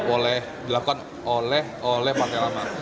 oleh dilakukan oleh partai lama